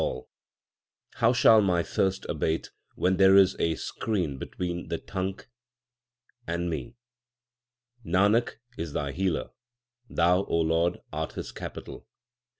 LIFE OF GURU NANAK 97 How shall my thirst abate when there is a screen between the Tank l and me ? Nanak is Thy dealer ; Thou O Lord, art his capital.